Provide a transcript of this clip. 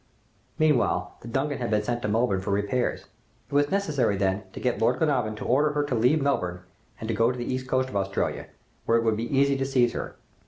"Meanwhile, the 'Duncan' had been sent to Melbourne for repairs. It was necessary, then, to get Lord Glenarvan to order her to leave Melbourne and go to the east coast of Australia, where it would be easy to seize her.